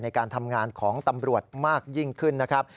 ในการทำงานของตำรวจมากยิ่งขึ้นนะครับ